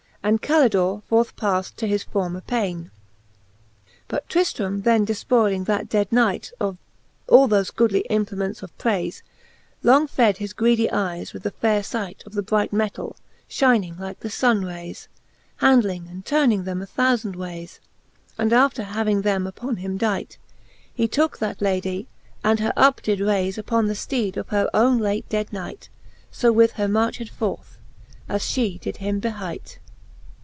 And Calidore forth pafled to his former payne. XXXIX But Cant. II. the Faerie Queene, 13 5 XXXIX. But Trlfiram then defpoyling that dead knight Of all thofe goodly implements of prayfe, Long fed his greedie eyes with the faire fight Of the bright mettal, fhyning like Sunne rayes; Handling and turning them a thoufand wayes. And after having them upon him dight. He tooke that Ladie, and her up did rayle Upon the fteed of her owne late dead knight; So with her marched forth, as Ihe did him behight.